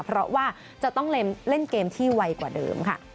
เพราะว่าจะต้องเล่นเกมที่ไวกว่าเดิมค่ะ